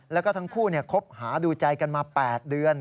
แล้วก็ทั้งคู่คบหาดูใจกันมา๘เดือน